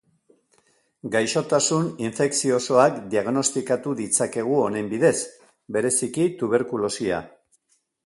Gaixotasun infekziosoak diagnostikatu ditzakegu honen bidez, bereziki tuberkulosia.